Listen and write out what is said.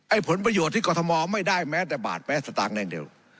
ไอ้ผลประโยชน์ที่กฏมไม่ได้แม้แต่บาทแม้แต่ตังค์แน่นเดียว